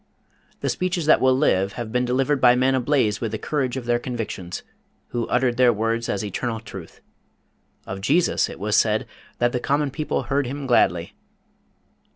The speeches that will live have been delivered by men ablaze with the courage of their convictions, who uttered their words as eternal truth. Of Jesus it was said that "the common people heard Him gladly."